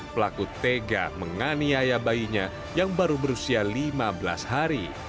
pelaku tega menganiaya bayinya yang baru berusia lima belas hari